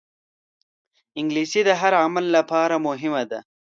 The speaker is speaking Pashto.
انګلیسي د هر عمر لپاره مهمه ده